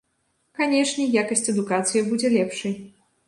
Канешне, якасць адукацыі будзе лепшай.